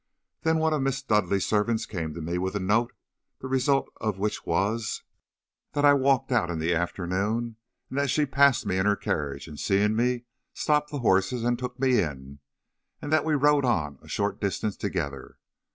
Then one of Miss Dudleigh's servants came to me with a note, the result of which was, that I walked out in the afternoon, and that she passed me in her carriage, and seeing me, stopped the horses and took me in, and that we rode on a short distance together.